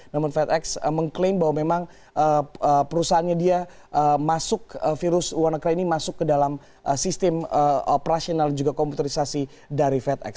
namun fed x mengklaim bahwa memang perusahaannya dia masuk virus wannacry ini masuk ke dalam sistem operasional juga komputerisasi dari fed x